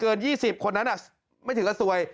คือเกิน๒๐คนนั้นไม่ถึงเป็นสวย